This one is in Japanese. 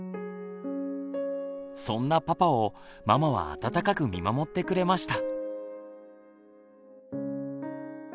そんなパパをママは温かく見守ってくれました。